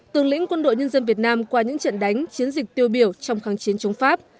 tướng lĩnh quân đội nhân dân việt nam qua những trận đánh chiến dịch tiêu biểu trong kháng chiến chống pháp